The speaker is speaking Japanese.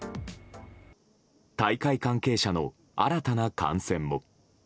大会関係者の新たな感染も。